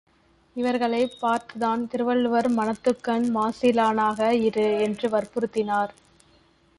இவர்களைப் பார்த்துத்தான் திருவள்ளுவர் மனத்துக்கண் மாசிலனாக இரு என்று வற்புறுத்தினார்.